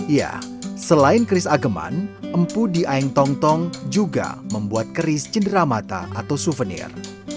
ya selain keris ageman empu di aeng tong tong juga membuat keris cedera mata atau souvenir